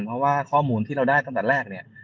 เพราะว่าข้อมูลที่เราได้ตั้งแต่แรกเนี่ย